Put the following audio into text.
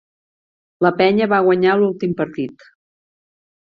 La Penya va guanyar l'últim partit.